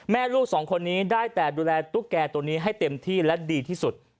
ลูกสองคนนี้ได้แต่ดูแลตุ๊กแก่ตัวนี้ให้เต็มที่และดีที่สุด